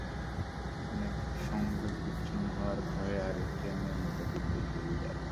অনেকে সংযোগ বিচ্ছিন্ন হওয়ার ভয়ে আগের চেয়ে নিয়মিত বিদ্যুৎ বিল দেয়।